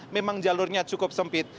memang jalurnya cukup sempit